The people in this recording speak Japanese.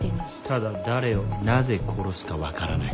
ただ誰をなぜ殺すか分からない。